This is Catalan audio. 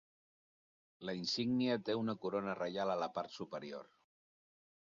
La insígnia té una corona reial a la part superior.